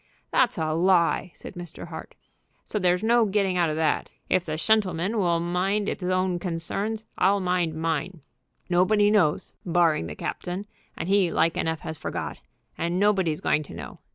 "That's a lie," said Mr. Hart; "so there's no getting out of that. If the shentleman will mind 'is own concerns I'll mind mine. Nobody knows, barring the captain, and he like enough has forgot, and nobody's going to know.